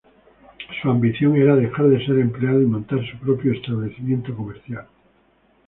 Su ambición era dejar de ser empleado y montar su propio establecimiento comercial.